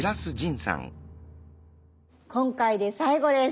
今回で最後です。